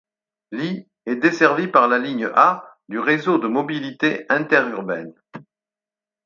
Lye est desservie par la ligne A du Réseau de mobilité interurbaine.